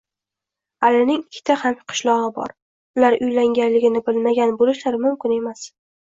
Alining ikkita hamqishlog`i bor, ular uylanganligini bilmagan bo`lishlari mumkin emas